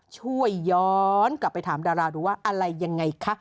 ช่วยย้อนกลับไปถามดาราดูว่าอะไรยังไงคะ